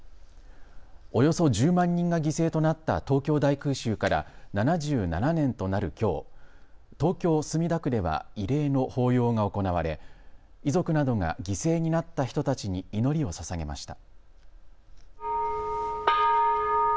およそ１０万人が犠牲となった東京大空襲から７７年となるきょう、東京墨田区では慰霊の法要が行われ、遺族などが犠牲になった人たちに祈りをささげました。